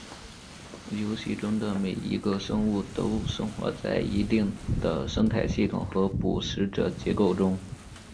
游戏中的每一个生物都生活在一定的生态系统和捕食者结构中。